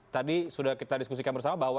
tadi sudah kita diskusikan bersama bahwa